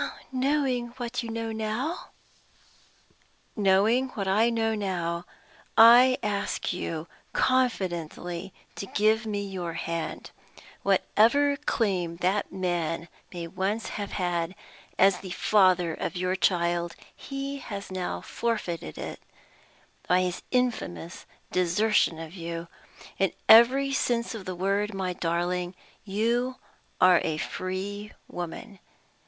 "Knowing what you know now?" "Knowing what I know now, I ask you confidently to give me your hand. Whatever claim that man may once have had, as the father of your child, he has now forfeited it by his infamous desertion of you. In every sense of the word, my darling, you are a free woman.